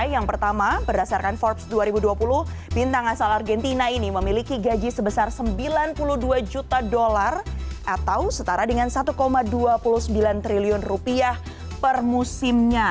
yang pertama berdasarkan forbes dua ribu dua puluh bintang asal argentina ini memiliki gaji sebesar sembilan puluh dua juta dolar atau setara dengan satu dua puluh sembilan triliun rupiah per musimnya